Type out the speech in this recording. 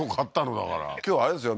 だから今日あれですよ